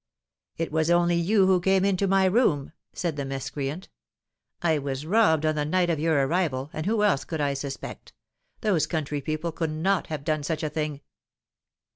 "It was only you who came into my room," said the miscreant. "I was robbed on the night of your arrival, and who else could I suspect? Those country people could not have done such a thing."